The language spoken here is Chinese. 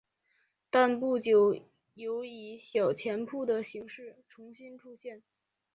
但不久有以小钱铺的形式重新出现。